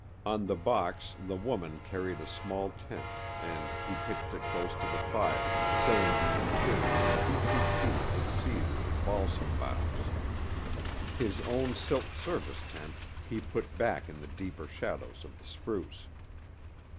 On the box the woman carried a small tent, and he pitched it close to the fire, filling the interior two feet deep with cedar and balsam boughs. His own silk service tent he put back in the deeper shadows of the spruce.